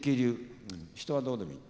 人はどうでもいいの。